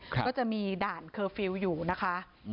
ก็จะมีด่านเคอร์ฟิลล์อยู่นะคะ